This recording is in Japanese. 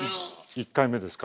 １回目ですか？